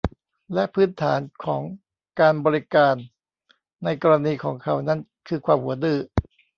และพื้นฐานของการบริการในกรณีของเขานั้นคือความหัวดื้อ